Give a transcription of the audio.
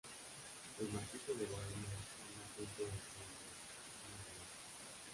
El macizo de Bohemia es la fuente del río Oder, al noreste.